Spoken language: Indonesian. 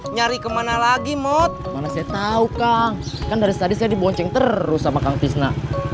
nyari kemana lagi mod mana saya tahu kang kan dari tadi saya di bonceng terus sama kang fisna